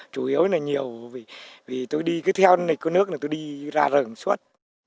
chủ yếu là nhiều vì tôi đi cứ theo nịch của nước này tôi đi ra rừng suốt